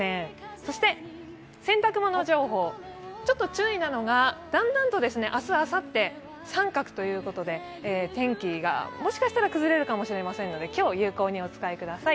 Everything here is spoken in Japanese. そして洗濯物情報、ちょっと注意なのがだんだんと、明日あさって三角ということで、天気がもしかしたら崩れるかもしれませんので今日を有効にお使いください。